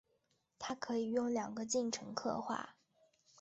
它可以用两个进程刻画。